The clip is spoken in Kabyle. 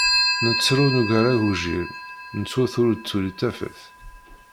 Nettru nugar agujil, nettwwet ur d-tuli tafat.